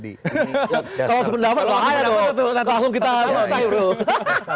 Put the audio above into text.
dasarnya itu saya nggak faham itu apa tapi yang penting begini bahwa